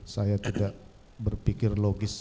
saya tidak berpikir logis